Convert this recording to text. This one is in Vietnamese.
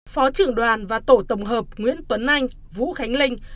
phó trưởng đoàn và tổ tổng hợp nguyễn tuấn anh vũ khánh linh